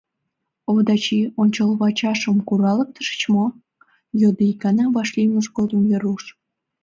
— Овдачи, ончылвачашым куралыктышыч мо? — йодо икана вашлиймыж годым Веруш.